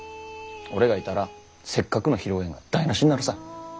俺がいたらせっかくの披露宴が台なしになるさ。